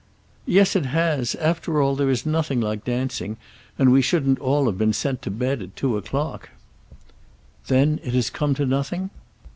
"Yes it has. After all there is nothing like dancing, and we shouldn't all have been sent to bed at two o'clock." "Then it has come to nothing?"